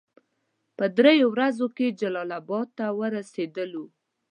په دریو ورځو کې جلال اباد ته ورسېدلو.